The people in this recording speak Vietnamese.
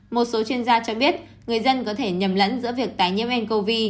một số chuyên gia cho biết người dân có thể nhầm lẫn giữa việc tái nhiễm ncov